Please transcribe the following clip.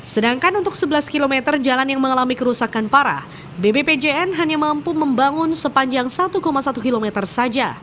sedangkan untuk sebelas km jalan yang mengalami kerusakan parah bbpjn hanya mampu membangun sepanjang satu satu km saja